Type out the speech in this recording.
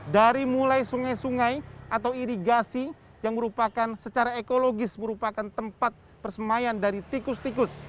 dari mulai sungai sungai atau irigasi yang merupakan secara ekologis merupakan tempat persemayan dari tikus tikus